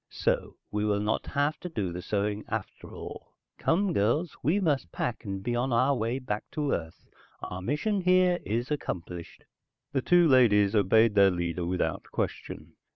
So we will not have to do the sewing after all. Come girls, we must pack and be on our way back to Earth. Our mission here is accomplished." The two ladies obeyed their leader without question.